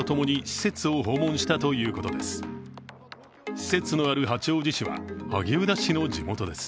施設のある八王子市は萩生田氏の地元です。